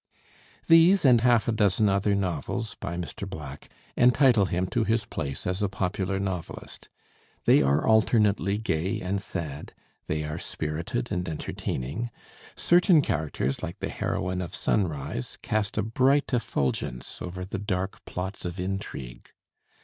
These and half a dozen other novels by Mr. Black entitle him to his place as a popular novelist; they are alternately gay and sad, they are spirited and entertaining; certain characters, like the heroine of 'Sunrise,' cast a bright effulgence over the dark plots of intrigue.